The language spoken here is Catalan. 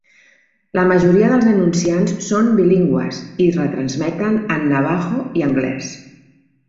La majoria dels anunciants són bilingües i retransmeten en navaho i anglès.